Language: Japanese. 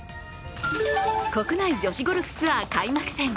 国内女子ゴルフツアー開幕戦。